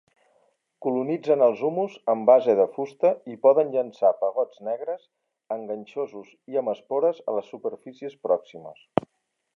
Colonitzen els humus amb base de fusta i poden llançar pegots negres, enganxosos i amb espores a les superfícies pròximes.